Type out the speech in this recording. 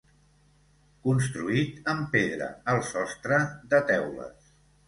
Construït en pedra, el sostre, de teules.